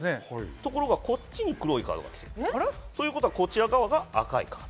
ところがこっちに黒いカード。ということはこちら側が赤い。